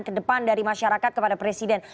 ke depan dari masyarakat kepada presiden